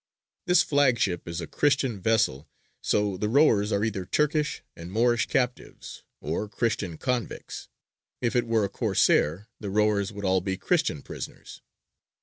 This flagship is a Christian vessel, so the rowers are either Turkish and Moorish captives, or Christian convicts. If it were a Corsair, the rowers would all be Christian prisoners.